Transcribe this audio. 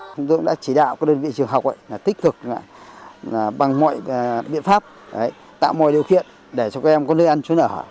chúng tôi đã chỉ đạo đơn vị trường học tích cực bằng mọi biện pháp tạo mọi điều khiển để cho các em có nơi ăn xuống nở